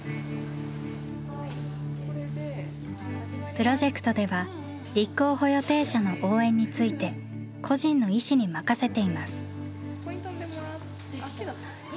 プロジェクトでは立候補予定者の応援について個人の意思に任せています。